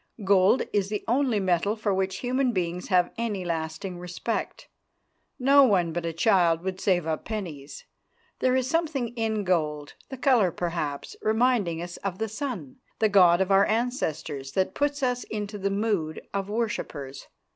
Gold is the only metal for which human beings have any lasting respect. No one but a child would save up pennies. There is something in gold the colour, perhaps, reminding us of the sun, the god of our ancestors that puts us into the mood of worshippers.